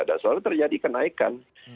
dan selalu terjadi kenaikan